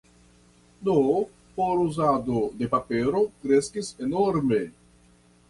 Do foruzado de papero kreskis enorme.